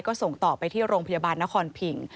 ก็ส่งต่อไปที่โรงพยาบาลนครพิง